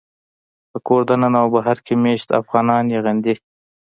په کور دننه او بهر کې مېشت افغانان یې غندي